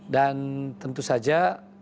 dan tentu saja